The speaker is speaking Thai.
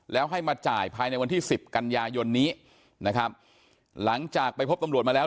แล้วให้มาจ่ายภายในวันที่สิบกันยายนนี้นะครับหลังจากไปพบตำรวจมาแล้ว